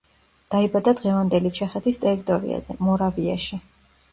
დაიბადა დღევანდელი ჩეხეთის ტერიტორიაზე, მორავიაში.